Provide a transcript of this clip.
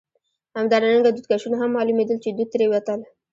همدارنګه دودکشونه هم معلومېدل، چې دود ترې وتل.